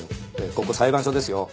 ここ裁判所ですよ。